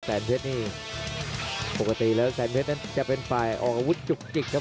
แสนเพชรนี่ปกติแล้วแสนเพชรนั้นจะเป็นฝ่ายออกอาวุธจุกจิกครับ